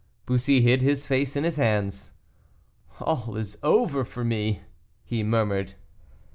Bussy hid his face in his hands. "All is over for me," he murmured.